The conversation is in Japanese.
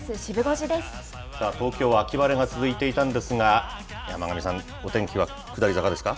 東京は秋晴れが続いていたんですが、山神さん、お天気は下り坂ですか？